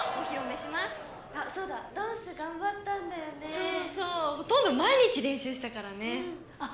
そうそうほとんど毎日練習したからねあっ